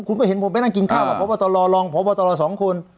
คุณก็เห็นผมไปนั่งกินข้าวกับพบตรรองพบตรสองคน